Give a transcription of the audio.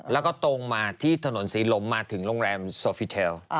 แล้วก็ตรงมาที่ถนนศรีลมมาถึงโรงแรมโซฟิเทล